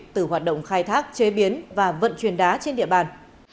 từ hoạt động khai thác chế biến và vận chuyển đá trên địa bàn